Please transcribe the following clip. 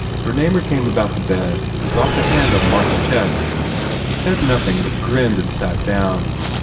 Bernamer came about the bed and dropped a hand on Mark s chest. He said nothing, but grinned and sat down.